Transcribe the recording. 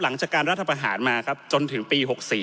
หลังจากการรัฐประหารมาครับจนถึงปี๖๔